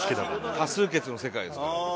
多数決の世界ですから。